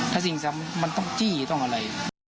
ถ้าสิ่งซ้ำมันต้องจี้ต้องอะไร